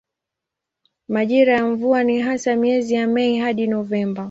Majira ya mvua ni hasa miezi ya Mei hadi Novemba.